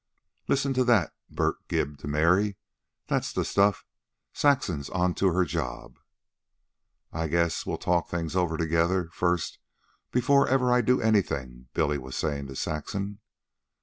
"Listen to that!" Bert gibed to Mary. "That's the stuff. Saxon's onto her job." "I guess we'll talk things over together first before ever I do anything," Billy was saying to Saxon.